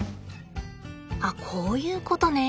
あっこういうことね。